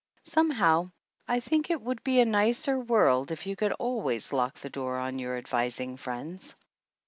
Somehow I think it would be a nicer world if you could always lock the door on your advising friends.